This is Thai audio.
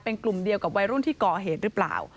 เป็นกลุ่มเดียวกับวัยรุ่นที่ก่อเหตุหรือเปล่า